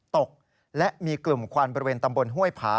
ตกและมีกลุ่มควันบริเวณตำบลห้วยผา